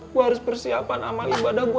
gue harus persiapan sama ibadah gue